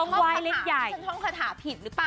หนึ่งอย่างไรทำถ้าว่าข้างคาถาผิดหรือเปล่า